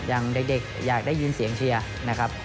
อย่างเด็กอยากได้ยินเสียงเชียร์นะครับ